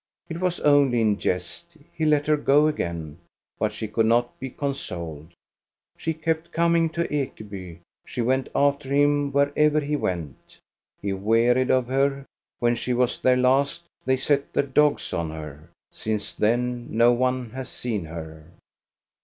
It was only in jest ; he let her go again, but she could not be consoled. She kept coming to Ekeby. She went THE BROOM GIRL 405 after him wherever he went. He wearied of her. When she was there last, they set their dogs on her. Since then no one has seen her."